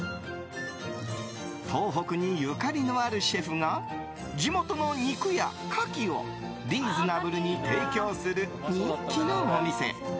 東北にゆかりのあるシェフが地元の肉やカキをリーズナブルに提供する人気のお店。